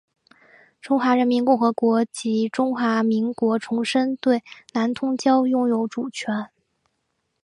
中华人民共和国及中华民国重申对南通礁拥有主权。